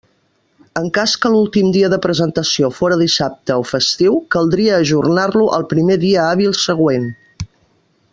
En cas que l'últim dia de presentació fóra dissabte o festiu, caldria ajornar-lo al primer dia hàbil següent.